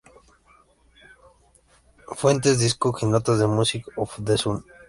Fuentes: Discogs y notas de "Music of the Sun".